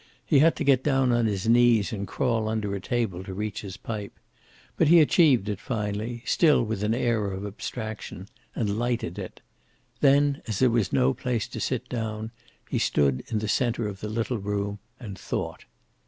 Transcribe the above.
He had to get down on his knees and crawl under a table to reach his pipe. But he achieved it finally, still with an air of abstraction, and lighted it. Then, as there was no place to sit down, he stood in the center of the little room and thought.